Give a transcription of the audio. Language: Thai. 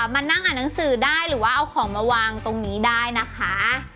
มานั่งอ่านหนังสือได้หรือว่าเอาของมาวางตรงนี้ได้นะคะ